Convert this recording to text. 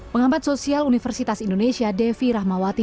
pengambat sosial universitas indonesia devi rahmawati